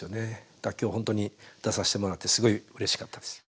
だから今日ほんとに出させてもらってすごいうれしかったです。